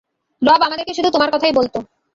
রব আমাদেরকে শুধু তোমার কথাই বলত।